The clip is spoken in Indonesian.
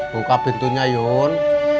buka pintunya yun